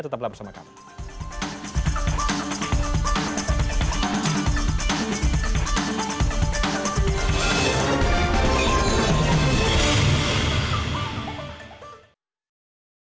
tetaplah bersama kami